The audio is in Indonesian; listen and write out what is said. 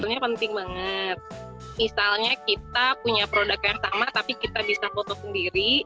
sebenarnya penting banget misalnya kita punya produk yang sama tapi kita bisa foto sendiri